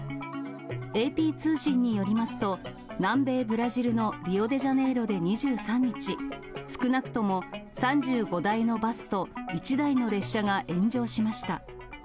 ＡＰ通信によりますと、南米ブラジルのリオデジャネイロで２３日、少なくとも３５台のバスと１台の列車が炎上しました。